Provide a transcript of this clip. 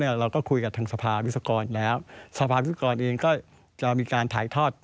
ในการลำนึงการครับ